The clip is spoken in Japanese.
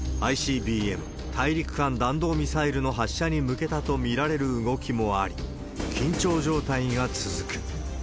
ＩＣＢＭ・大陸間弾道ミサイルの発射に向けたと見られる動きもあり、緊張状態が続く。